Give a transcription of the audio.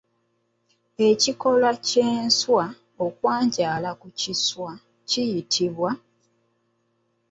Ekikolwa ky'enswa okwanjala ku kiswa kiyitibwa?